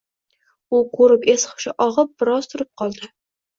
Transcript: U koʻrib es-xushi ogʻib, biroz turib qoldi.